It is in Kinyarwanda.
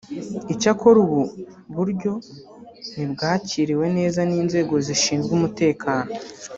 Icyakora ubu buryo ntibwakiriwe neza n’inzego zishinzwe umutekano